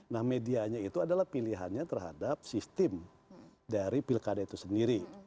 nah medianya itu adalah pilihannya terhadap sistem dari pilkada itu sendiri